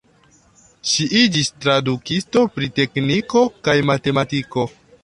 Ŝi iĝis tradukisto pri tekniko kaj matematiko.